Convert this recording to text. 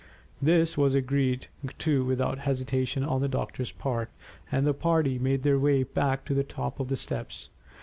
This was agreed to without hesitation on the doctor's part, and the party made their way back to the top of the steps.